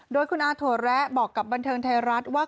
โดยคุณอาถั่วแระบอกกับบันเทิงไทยรัฐว่า